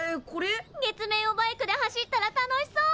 月面をバイクで走ったら楽しそう！